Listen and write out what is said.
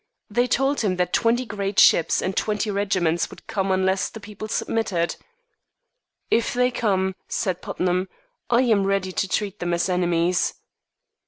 They told him that twenty great ships and twenty regiments would come unless the people submitted. "If they come," said Putnam, "I am ready to treat them as enemies."